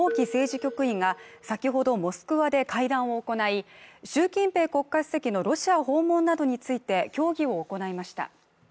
局員が先ほどモスクワで会談を行い、習近平国家主席のロシア訪問などについて協議を行いました。